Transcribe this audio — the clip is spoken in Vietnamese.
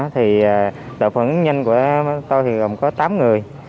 tổ phản ứng nhanh của tôi thì gồm có tám người